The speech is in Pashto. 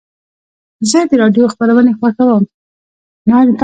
زه د راډیو خپرونې خوښوم.